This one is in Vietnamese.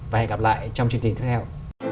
và hẹn gặp lại trong chương trình tiếp theo